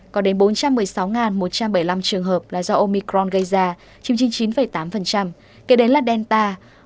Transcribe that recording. có đến bốn trăm một mươi sáu một trăm bảy mươi năm trường hợp là do omicron gây ra chín mươi chín tám kể đến là delta